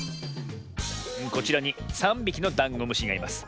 こちらに３びきのダンゴムシがいます。